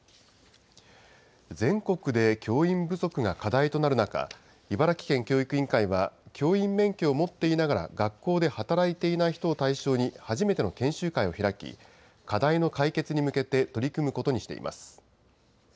全国で教員不足が課題となる中、茨城県教育委員会は、教員免許を持っていながら、学校で働いていない人を対象に、初めての研修会を開き、課題の解決に向けて取り組むことにしています。